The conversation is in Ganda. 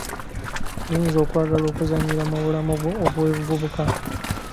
Ggwe oyinza okwagala okuzannyira mu bulamu bwo obw'ekivubuka?